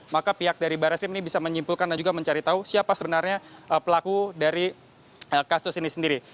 baris krim ini bisa menyimpulkan dan juga mencari tahu siapa sebenarnya pelaku dari kasus ini sendiri